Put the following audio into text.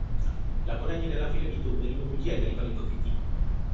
Lakonannya dalam filem itu menerima pujian daripada pengkritik